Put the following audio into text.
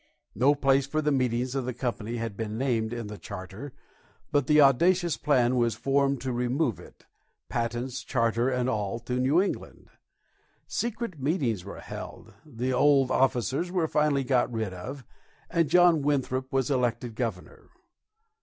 No place for the meetings of the company had been named in the charter, and the audacious plan was formed to remove it, patents, charter, and all, to New England. Secret meetings were held, the old officers were finally got rid of, and John Winthrop was elected governor.